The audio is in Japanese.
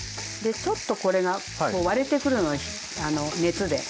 ちょっとこれが割れてくるの熱で。